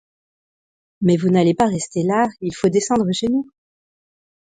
Mais vous n'allez pas rester là, il faut descendre chez nous.